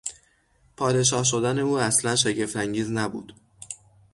پادشاه شدن او اصلا شگفت انگیز نبود.